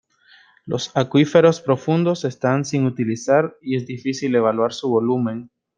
Los acuíferos profundos están sin utilizar y es difícil evaluar su volumen.